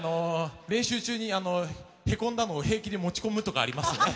練習中にへこんだのを平気で持ち込むとかありますよね。